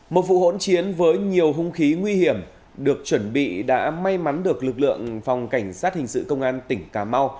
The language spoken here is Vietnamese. một vụ hỗn chiến với nhiều hung khí nguy hiểm được chuẩn bị đã may mắn được lực lượng phòng cảnh sát hình sự công an tỉnh cà mau